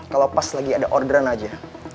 kalau pas lagi ada orderan aja